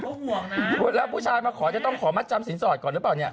แล้วผู้ชายมาขอจะต้องขอมัดจำสินสอดก่อนหรือเปล่าเนี่ย